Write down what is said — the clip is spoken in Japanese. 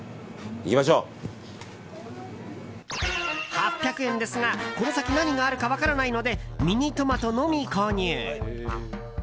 ８００円ですが、この先何があるか分からないのでミニトマトのみ購入。